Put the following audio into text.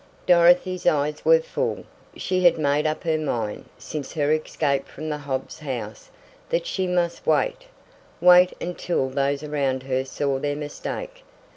Dorothy's eyes were full. She had made up her mind, since her escape from the Hobbs house, that she must wait wait until those around her saw their mistake.